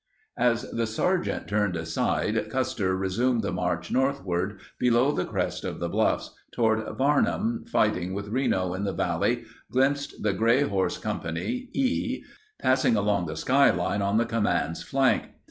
As the sergeant turned aside, Custer resumed the march northward below the crest of the bluffs, although Varnum, fighting with Reno in the valley, glimpsed the gray horse company, E, passing along the skyline on the command's flank.